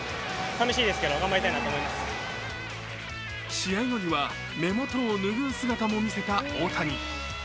試合後には、目元を拭う姿もみせた大谷。